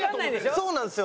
そうなんですよ。